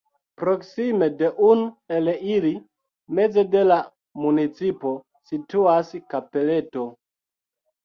Proksime de un el ili, meze de la municipo, situas kapeleto.